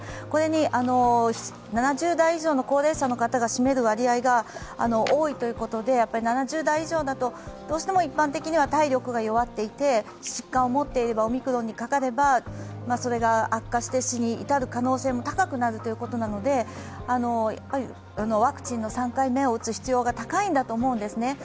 これに７０代以上の高齢者の方が占める割合が多いということで、７０代以上だとどうしても一般的には体力が弱っていて、疾患を持っていればオミクロンにかかれば、それが悪化して、死に至る可能性が高くなるのでワクチンの３回目を打つ必要が高いんだと思うんですね。